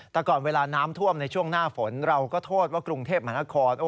แต่ก่อนเวลาน้ำท่วมในช่วงหน้าฝนเราก็โทษว่ากรุงเทพมหานคร